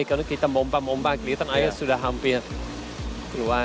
karena kita mombak mombak kelihatan air sudah hampir keluar